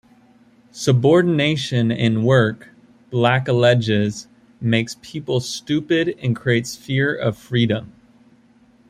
Subordination in work, Black alleges, makes people stupid and creates fear of freedom.